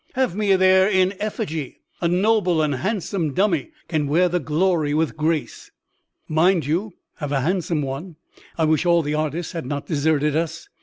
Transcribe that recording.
Have me there in effigy; a noble and handsome dummy can wear the glory with grace* Mind you have a handsome one; I wish all the artists had not deserted us.